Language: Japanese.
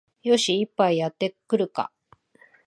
よし、一杯やってくるか